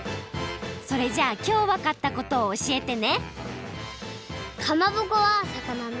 それじゃあきょうわかったことをおしえてね。